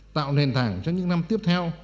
tạo nền thảng cho những năm tiếp theo